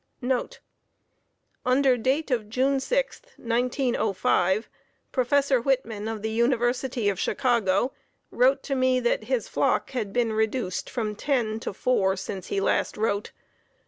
[Under date of June 6, 1905, Prof. Whitman of the University of Chicago wrote to me that his flock had been reduced from ten to four since he last wrote.